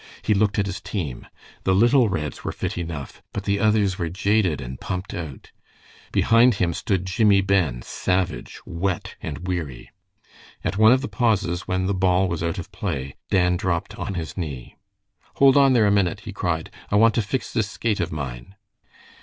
He looked at his team. The little Reds were fit enough, but the others were jaded and pumped out. Behind him stood Jimmie Ben, savage, wet, and weary. At one of the pauses, when the ball was out of play, Dan dropped on his knee. "Hold on there a minute," he cried; "I want to fix this skate of mine."